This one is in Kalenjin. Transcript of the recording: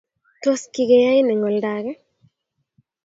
Tos kigeyain eng oldaage?